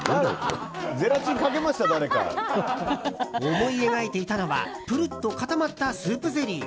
思い描いていたのはプルッと固まったスープゼリー。